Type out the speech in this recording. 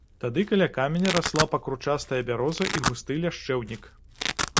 Тады каля каменя расла пакручастая бяроза і густы ляшчэўнік.